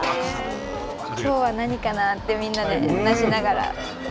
きょうは何かなって、みんなで話しながら。